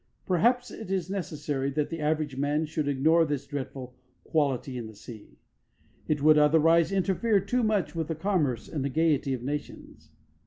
Perhaps it is necessary that the average man should ignore this dreadful quality in the sea: it would otherwise interfere too much with the commerce and the gaiety of nations.